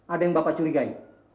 ada yang bapak curigai